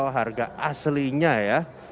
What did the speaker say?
harga aslinya ya